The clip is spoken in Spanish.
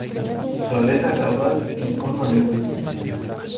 Su aleta caudal tiene forma de uve.